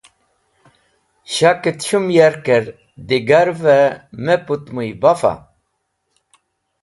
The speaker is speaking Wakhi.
Shakẽt shũm yarkẽr digarvẽ me pũtmũy bafa.